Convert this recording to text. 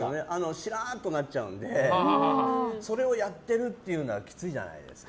しらーっとなっちゃうのでそれをやってるっていうのはきついじゃないですか。